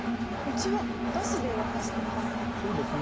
うちはガスで沸かしてます。